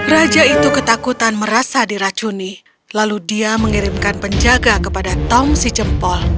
raja itu ketakutan merasa diracuni lalu dia mengirimkan penjaga kepada tom si jempol